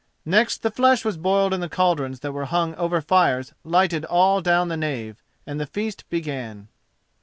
Next the flesh was boiled in the cauldrons that were hung over fires lighted all down the nave, and the feast began.